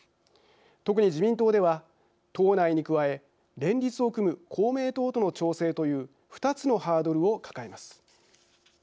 特に自民党では党内に加え連立を組む公明党との調整という２つのハードルを抱えます。